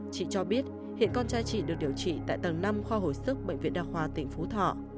chị cho biết hiện con trai chị được điều trị tại tầng năm khoa hồi sức bệnh viện đa khoa tỉnh phú thọ